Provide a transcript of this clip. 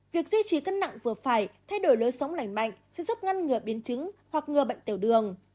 việc duy trì cân nặng vừa phải thay đổi lối sống lành mạnh sẽ giúp ngăn ngừa biến chứng hoặc ngừa bệnh tiểu đường